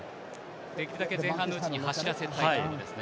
できるだけ前半のうちに走らせたいということですね。